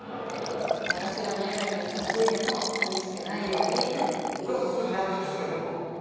私が宮崎に嫁いでもさみしくないようにお母さんそれで納得してくれたの？